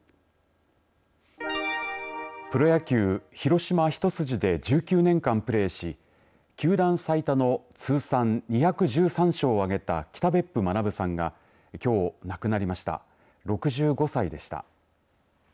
プロ野球広島一筋で１９年間プレーし球団最多の通算２１３勝を挙げた北別府学さんがきょう亡くなりました６５歳でした。